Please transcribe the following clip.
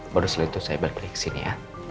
baru selalu itu saya balik balik ke sini ya